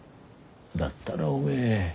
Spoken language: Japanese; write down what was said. だったらおめえ